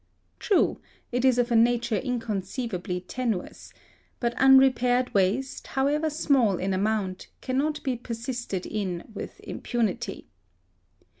True, it is of a nature inconceivably tenuous; but unrepaired waste, however small in amount, cannot be persisted in with impunity.